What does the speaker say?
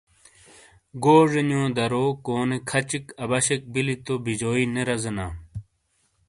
گوجے نیو درو کونے کھَچِک اَباشیک بِیلی تو بِیجوئی نے رزینا۔